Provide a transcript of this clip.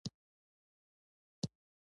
نر او ښځه په څه ډول ژوند وکړي.